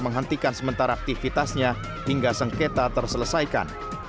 menghentikan sementara aktivitasnya hingga sengketa terselesaikan